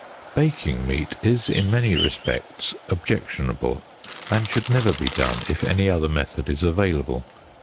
Baking meat is in many respects objectionable, and should never be done if any other method is available.